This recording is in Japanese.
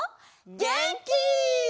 げんき。